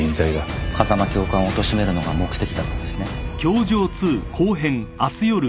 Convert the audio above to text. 「風間教官をおとしめるのが目的だったんですね」